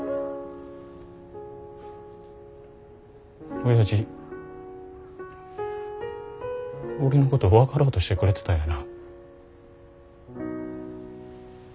おやじ俺のこと分かろうとしてくれてたんやな。